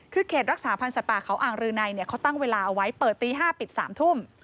คือเขตรักษาพันธ์สัตว์ป่าเขาอ่างรืนัยเขาตั้งเวลาเอาไว้เปิดตี๕ปิด๓ทุ่ม